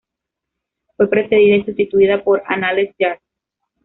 Fue precedida y sustituida por "Anales Jard.